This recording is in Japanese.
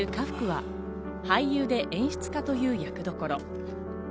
演じる家福は俳優で演出家という役どころ。